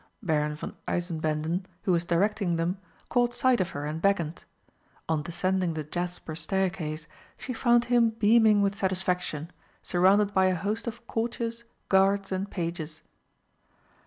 Baron von Eisenbänden, who was directing them, caught sight of her and beckoned. On descending the jasper staircase, she found him beaming with satisfaction, surrounded by a host of courtiers, guards, and pages.